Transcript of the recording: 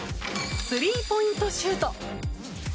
スリーポイントシュート。